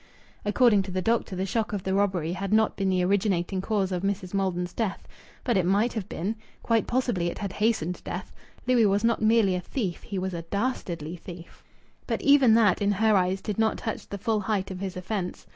According to the doctor, the shock of the robbery had not been the originating cause of Mrs. Maldon's death; but it might have been; quite possibly it had hastened death.... Louis was not merely a thief; he was a dastardly thief. But even that in her eyes did not touch the full height of his offence.